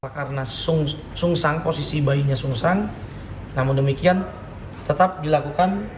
karena sungsang posisi bayinya sungsang namun demikian tetap dilakukan